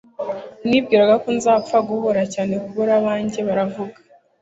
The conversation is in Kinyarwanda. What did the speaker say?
nibwiraga ko nzapfa guhura cyanekubura abanjye-baravuga